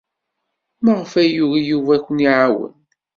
Maɣef ay yugi Yuba ad ken-iɛawen?